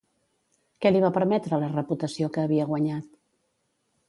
Què li va permetre la reputació que havia guanyat?